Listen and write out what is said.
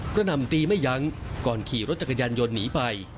หน่ำตีไม่ยั้งก่อนขี่รถจักรยานยนต์หนีไป